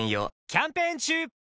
キャンペーン中！